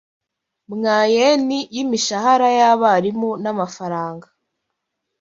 Mwayeni y'imishahara y'abarimu n'amafaranga